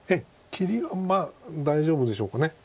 切りはまあ大丈夫でしょうかね。